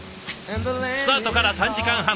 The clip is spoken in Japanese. スタートから３時間半。